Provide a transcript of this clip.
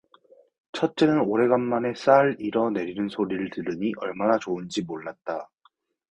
첫째는 오래간만에 쌀 일어 내리는 소리를 들으니 얼마나 좋은지 몰랐다.